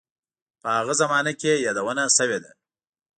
په هغه زمانه کې یې یادونه شوې ده.